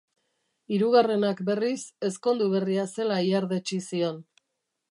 Hirugarrenak, berriz, ezkondu berria zela ihardetsi zion.